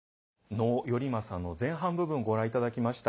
能「頼政」の前半部分をご覧いただきました。